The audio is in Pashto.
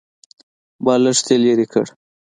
بالښت يې ليرې کړ.